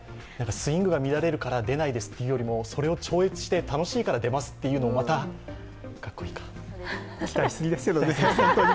スイングが見られないから出ないですというよりも、それを超越して、楽しいから出ますっていうのが、また期待しすぎですけどね。